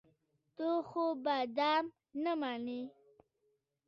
ته خو به دام نه منې.